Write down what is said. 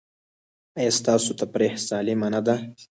ایا ستاسو تفریح سالمه نه ده؟